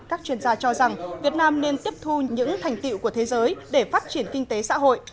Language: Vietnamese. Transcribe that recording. các chuyên gia cho rằng việt nam nên tiếp thu những thành tiệu của thế giới để phát triển kinh tế xã hội